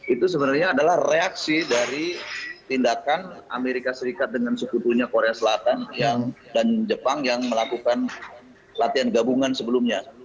itu sebenarnya adalah reaksi dari tindakan amerika serikat dengan sekutunya korea selatan dan jepang yang melakukan latihan gabungan sebelumnya